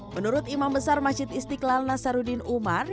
menurut imam besar masjid istiqlal nasaruddin umar